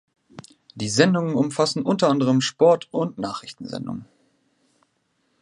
Die Sendungen umfassen unter anderem Sport- und Nachrichtensendungen.